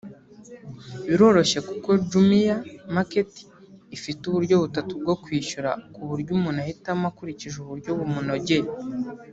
Biroroshye kuko Jumia Market ifite uburyo butatu bwo kwishyura ku buryo umuntu ahitamo akurikije uburyo bumunogeye